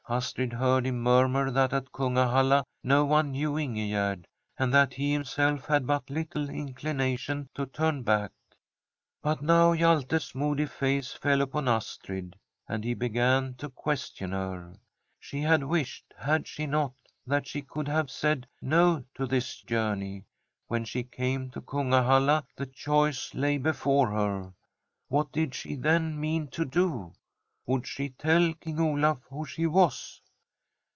Astrid heard him murmur that at Kungahalla no one knew Ingegerd, and that he himself had but little incli nation to turn back. But now Hjalte *s moody face fell upon Astrid, and he began to question her. She had wished, had she not, that she could have said ' No ' to this journey. When she came to Kungahalla, the choice lay before her. What did she, then, mean to do ! Would she tell King Olaf who she was?